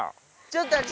ちょっと私。